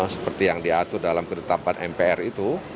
seperti yang diatur dalam ketetapan mpr itu